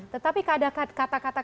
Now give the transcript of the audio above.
tetapi kata kata kaderisasi